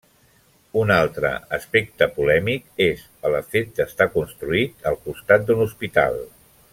Un altre aspecte polèmic és el fet d'estar construït al costat d'un hospital.